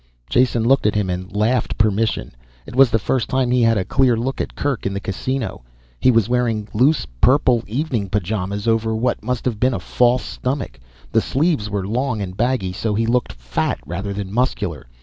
Jason looked at him, and laughed permission. It was the first time he had a clear look at Kerk in the Casino. He was wearing loose, purple evening pajamas over what must have been a false stomach. The sleeves were long and baggy so he looked fat rather than muscular.